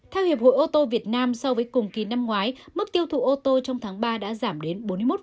theo hiệp hội ô tô việt nam so với cùng kỳ năm ngoái mức tiêu thụ ô tô trong tháng ba đã giảm đến bốn mươi một